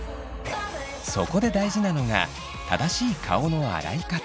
そこで大事なのが正しい顔の洗い方。